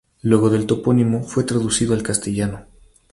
Luego el topónimo fue traducido al castellano.